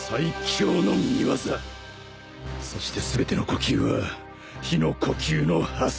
そして全ての呼吸は日の呼吸の派生。